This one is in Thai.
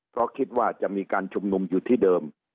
เพราะคิดว่าจะมีการชุมนุมอยู่ที่เดิม